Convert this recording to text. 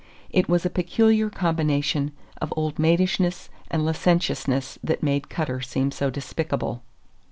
It was a peculiar combination of old maidishness and licentiousness that made Cutter seem so despicable.